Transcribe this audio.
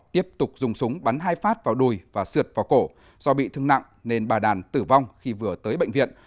tiếp tục dùng súng bắn hai phát vào đùi và sượt vào cổ do bị thương nặng nên bà đàn tử vong khi vừa tới bệnh viện